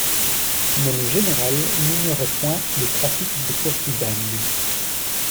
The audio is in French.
Mais, la générale n'ignorait point les trafics des courtisanes.